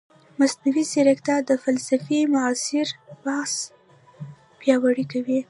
مصنوعي ځیرکتیا د فلسفې معاصر بحث پیاوړی کوي.